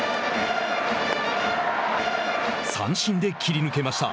三振で切り抜けました。